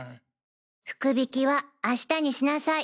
福引は明日にしなさい。